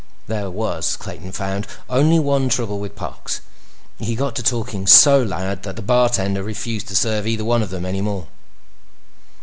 There was, Clayton found, only one trouble with Parks. He got to talking so loud that the bartender refused to serve either one of them any more.